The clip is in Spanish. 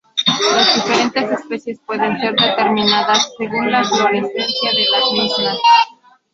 Las diferentes especies pueden ser determinadas´según la inflorescencia de las mismas.